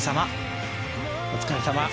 お疲れさま。